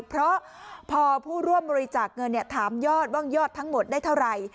เพราะพอผู้ร่วมบริจาคเงินถามยอดว่ายอดทั้งหมดได้เท่าไหร่